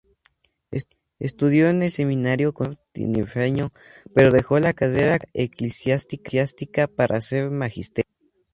Estudió en el Seminario Conciliar tinerfeño, pero dejó la carrera eclesiástica para hacer magisterio.